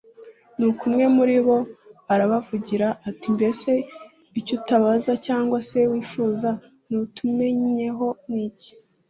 nuko umwe muri bo arabavugira, ati mbese icyo utubaza cyangwa se wifuza kutumenyaho ni iki